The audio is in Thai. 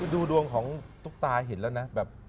ดูดวงของตุ๊กตาเห็นแล้วนะแบบ